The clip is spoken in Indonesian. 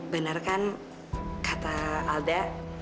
bener kan kata alda